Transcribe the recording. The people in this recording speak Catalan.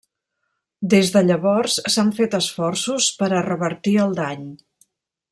Des de llavors s'han fet esforços per a revertir el dany.